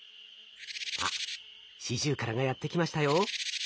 あっシジュウカラがやって来ましたよ。